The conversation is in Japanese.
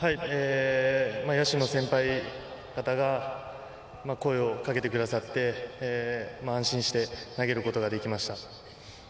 野手の先輩方が声をかけてくださって安心して投げることができました。